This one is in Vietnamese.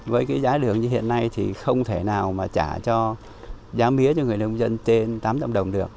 với cái giá đường như hiện nay thì không thể nào mà trả cho giá mía cho người nông dân trên tám trăm linh đồng được